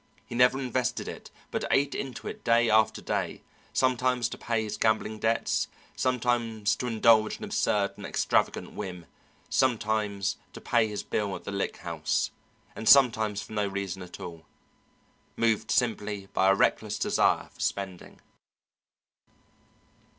He never invested it, but ate into it day after day, sometimes to pay his gambling debts, sometimes to indulge an absurd and extravagant whim, sometimes to pay his bill at the Lick House, and sometimes for no reason at all, moved simply by a reckless desire for spending.